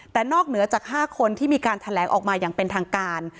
แต่นอกเหนือจาก๕คนที่มีการแถลงออกมาอย่างเป็นทางการ